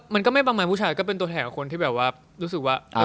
มันก็ไม่ประมาณผู้ชายก็เป็นตัวแทนกับคนที่แบบว่ารู้สึกว่า